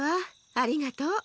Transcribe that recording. ありがとう。